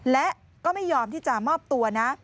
และก็ไม่ยอมที่จะมอบตัวนะ